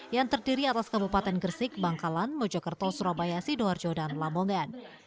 yang terdiri atas kabupaten gresik bangkalan mojokerto surabaya sidoarjo dan lamongan